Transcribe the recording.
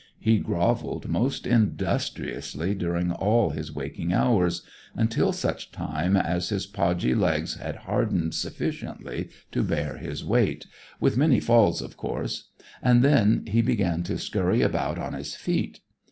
He grovelled most industriously during all his waking hours, until such time as his podgy legs had hardened sufficiently to bear his weight with many falls, of course and then he began to scurry about on his feet.